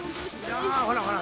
あほらほら